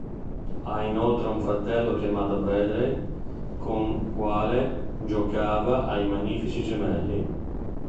Ha inoltre un fratello chiamato Bradley, con quale giocava a "I magnifici gemelli".